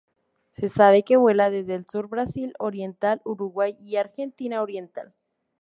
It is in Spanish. Se sabe que vuela desde el sur-Brasil oriental, Uruguay y Argentina oriental.